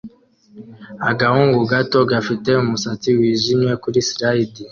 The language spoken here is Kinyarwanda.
Agahungu gato gafite umusatsi wijimye kuri slide